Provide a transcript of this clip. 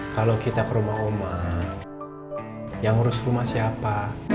kalau kita ke rumah omah yang ngurus rumah siapa